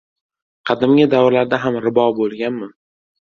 Qadimgi davrlarda ham ribo bo‘lganmi?